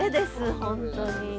本当に。